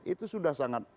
itu sudah sangat